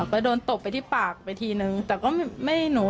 ก็โดนตบไปที่ปากไปทีนึงแต่ก็ไม่หนู